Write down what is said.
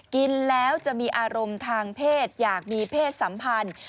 กินแล้วจะมีอารมณ์ทางเพศอยากมีเพศสัมพันธ์